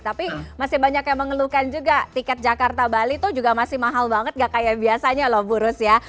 tapi masih banyak yang mengeluhkan juga tiket jakarta bali itu juga masih mahal banget gak kayak biasanya loh bu rus ya